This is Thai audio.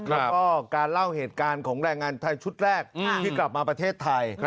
แล้วก็การเล่าเหตุการณ์ของแรงงานไทยชุดแรกที่กลับมาประเทศไทย